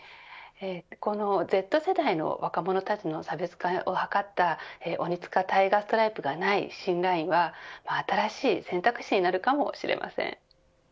このＺ世代の若者たちの差別化を図ったオニツカタイガーストライプがない、新ラインは新しい選択肢になるかもしれません。